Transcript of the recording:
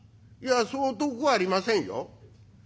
「いやそう遠くはありませんよ。